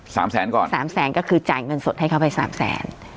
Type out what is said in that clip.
สามแสนก่อนสามแสนก็คือจ่ายเงินสดให้เขาไปสามแสน